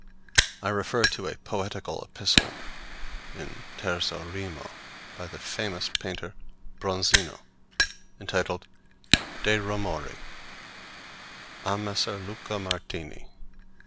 I refer to a poetical epistle in terzo rimo by the famous painter Bronzino, entitled De' Romori: a Messer Luca Martini.